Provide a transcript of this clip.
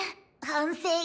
反省。